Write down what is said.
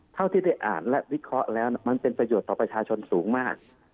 เท่าที่ได้อ่านและวิเคราะห์แล้วมันเป็นประโยชน์ต่อประชาชนสูงมาก